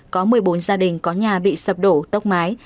có một mươi bốn gia đình có nhà bị sập đổ tốc mái